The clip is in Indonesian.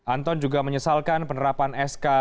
anton juga menyesalkan penerapan sk